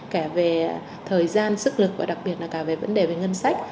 cả về thời gian sức lực và đặc biệt là cả về vấn đề về ngân sách